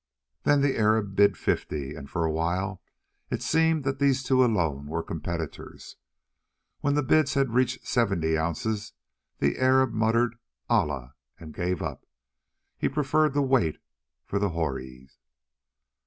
Then the Arab bid fifty, and for a while it seemed that these two alone were competitors. When the bids had reached seventy ounces the Arab muttered "Allah!" and gave up. He preferred to wait for the houris.